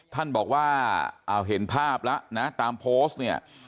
ท่านบอกว่าเอาเห็นภาพแล้วนะตามโพสต์เนี่ย